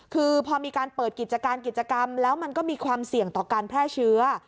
คือพอมีการเปิดกิจการกิจกรรมแล้วมันก็มีความเสี่ยงต่อการแพร่เชื้อ